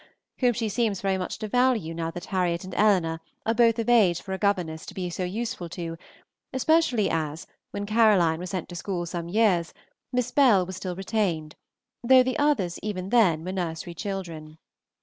whom she seems very much to value now that Harriot and Eleanor are both of an age for a governess to be so useful to, especially as, when Caroline was sent to school some years, Miss Bell was still retained, though the others even then were nursery children.